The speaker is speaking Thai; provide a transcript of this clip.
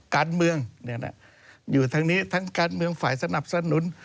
การเมืองอยู่ทั้งนี้ทั้งการเมืองฝ่ายสนับสนุน